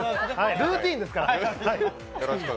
ルーティンですから。